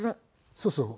そうそう。